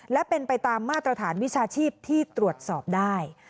และเป็นไปตามมาตรฐานวิชาชีพที่ตรวจสอบได้